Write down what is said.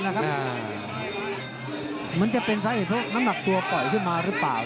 เหมือนจะเป็นสาเหตุเพราะน้ำหนักตัวปล่อยขึ้นมาหรือเปล่า